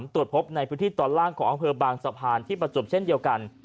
ตรวจพบในพื้นที่ตอนล่างของอำเภอบางสะพานที่ประจบเช่นเดียวกัน